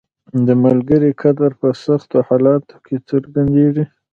• د ملګري قدر په سختو حالاتو کې څرګندیږي.